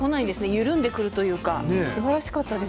緩んでくるというかすばらしかったです。